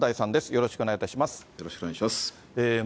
よろしくお願いします。